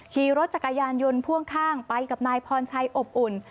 ขี่รถจักรยานยนต์พ่วงข้างไปกับนายพรชัยอบอุ่น